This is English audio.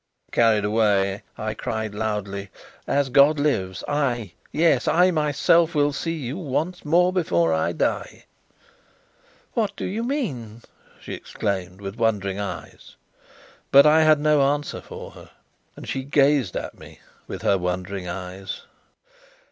Carried away, I cried loudly: "As God lives, I yes, I myself will see you once more before I die!" "What do you mean?" she exclaimed, with wondering eyes; but I had no answer for her, and she gazed at me with her wondering eyes.